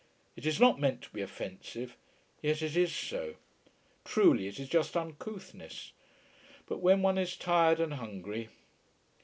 It is not meant to be offensive: yet it is so. Truly, it is just uncouthness. But when one is tired and hungry....